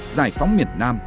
giải phóng miền nam